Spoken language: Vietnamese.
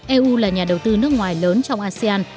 eu là nhà đầu tư nước ngoài lớn trong asean